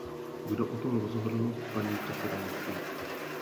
Kdo o tom rozhodl, paní předsedající?